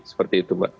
seperti itu mbak